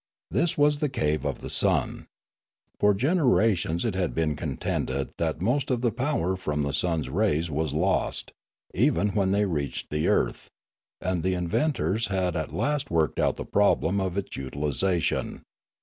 This was the cave of the sun. For generations it had been contended that most of the power from the sun's rays was lost, even when they reached the earth; and the inventors had at last worked out the problem of its utilisation.